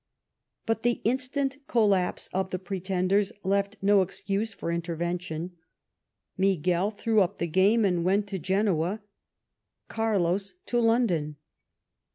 But the instant collapse of the Pre tenders left him no excuse for intervention. Miguel threw up the game and went to Genoa, Carlos to London.